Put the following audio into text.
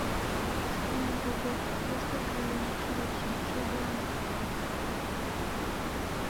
Kifula nguw'o disekaie na kindo chingi chebonya